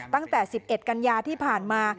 ตั้งแต่๑๑กันยาที่ผ่านมา